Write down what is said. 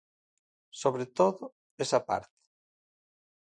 Sobre todo, esa parte.